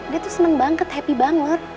dia tuh seneng banget happy banget